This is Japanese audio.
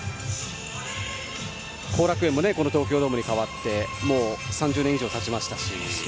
後楽園もこの東京ドームに変わりもう３０年以上たちましたし。